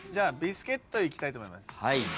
ビスケットいきたいと思います。